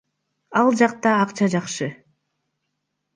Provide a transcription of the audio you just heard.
Ал жакта акча жакшы.